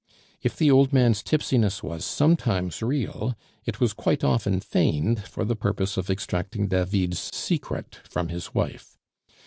If the old man's tipsiness was sometimes real, it was quite often feigned for the purpose of extracting David's secret from his wife.